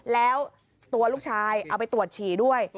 แล้วตัวลูกชายเอาไปตรวจฉี่ด้วย